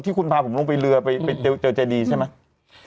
คุณพาผมลงไปเรือไปเจอเจดีใช่ไหม